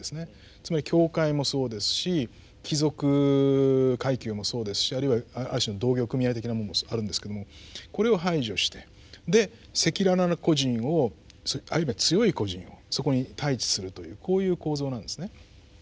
つまり教会もそうですし貴族階級もそうですしあるいはある種の同業組合的なものもあるんですけれどもこれを排除してで赤裸々な個人をある意味では強い個人をそこに対置するというこういう構造なんですね。